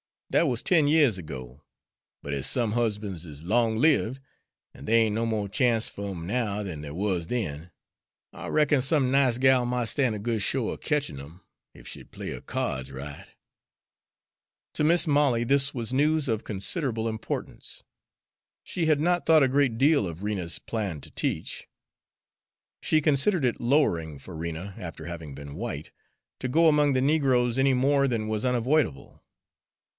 That wuz ten years ago, but as some husban's is long lived, an' there ain' no mo' chance fer 'im now than there wuz then, I reckon some nice gal mought stan' a good show er ketchin' 'im, ef she'd play her kyards right." To Mis' Molly this was news of considerable importance. She had not thought a great deal of Rena's plan to teach; she considered it lowering for Rena, after having been white, to go among the negroes any more than was unavoidable.